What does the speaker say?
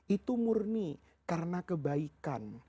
itu murni karena kebaikan